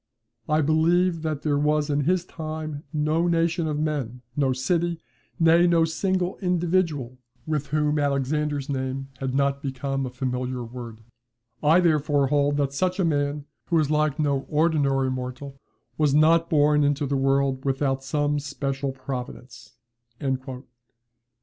I believe that there was in his time no nation of men, no city, nay, no single individual, with whom Alexander's name had not become a familiar word. I therefore hold that such a man, who was like no ordinary mortal was not born into the world without some special providence."